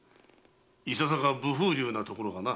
いささか無風流なところがな。